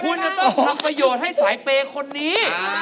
คุณจะต้องทำประโยชน์ให้สายเปย์คนนี้